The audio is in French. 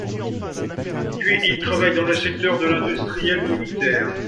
Puis il travaille dans le secteur de l'industriel militaire.